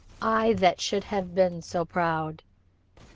I that should have been so proud."